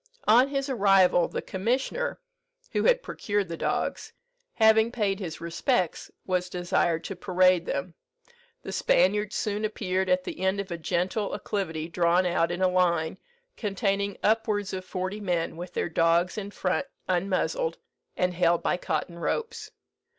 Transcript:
On his arrival, the commissioner (who had procured the dogs), having paid his respects, was desired to parade them. The Spaniards soon appeared at the end of a gentle acclivity drawn out in a line, containing upwards of forty men, with their dogs in front unmuzzled, and held by cotton ropes.